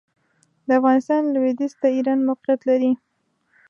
د افغانستان لوېدیځ ته ایران موقعیت لري.